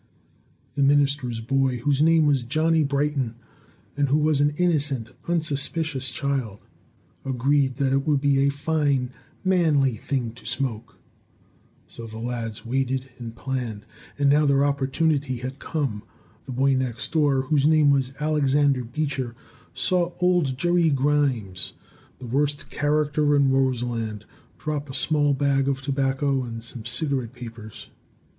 The minister's boy, whose name was Johnny Brighton, and who was an innocent, unsuspicious child, agreed that it would be a fine, manly thing to smoke. So the lads waited and planned, and now their opportunity had come. The boy next door, whose name was Albert Beecher, saw old Jerry Grimes, the worst character in Roseland, drop a small bag of tobacco and some cigarette papers.